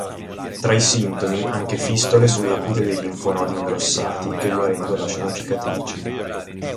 Tra i sintomi anche fistole sulla cute dei linfonodi ingrossati che guarendo lasciano cicatrici.